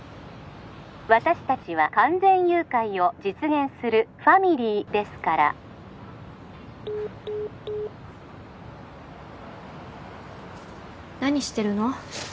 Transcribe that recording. ☎私達は完全誘拐を実現する☎ファミリーですから何してるの？